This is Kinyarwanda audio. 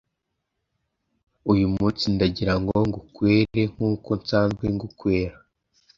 uyu munsi ndagira ngo ngukwere nk’uko nsanzwe ngukwera